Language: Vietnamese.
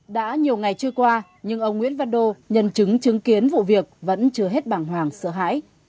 đã nhiều ngày trôi qua nhưng ông nguyễn văn đô nhân chứng chứng kiến vụ việc vẫn chưa hết bảng hoàng sợ hãi